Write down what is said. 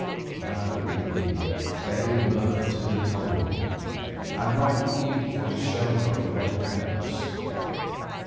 Now, indeed, they were bitterly cold, and longed even for the shelter of the wet canvas.